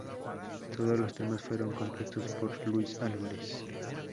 Todos los temas fueron compuestos por Luis Álvarez.